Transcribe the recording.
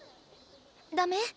ダメ？